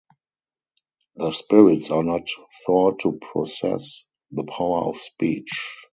The spirits are not thought to possess the power of speech.